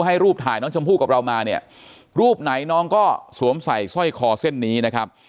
ให้รูปถ่ายน้องชมพู่กับเรามาเนี่ยรูปไหนน้องก็สวมใส่สร้อยคอเส้นนี้นะครับ